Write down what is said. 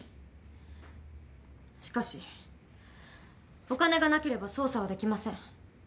しかしお金がなければ捜査はできません。